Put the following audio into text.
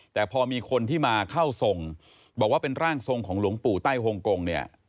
แต่พอมีคนที่มาเข้าทรงบอกว่าเป็นร่างทรงของหลวงปู่ใต้ฮงกงเนี่ย